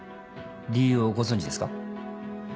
理由をご存じですか。